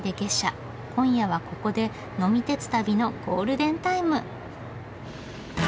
今夜はここで呑み鉄旅のゴールデンタイム！